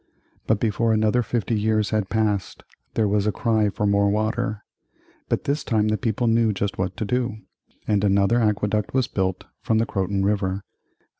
But before another fifty years had passed there was a cry for more water, But this time the people knew just what to do, and another aqueduct was built from the Croton River.